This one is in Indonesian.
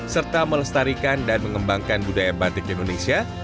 serta melestarikan dan mengembangkan budaya batik di indonesia